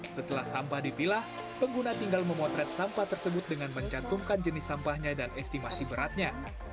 setelah sampah dipilah pengguna tinggal memotret sampah tersebut dengan mencantumkan jenis sampahnya dan estimasi beratnya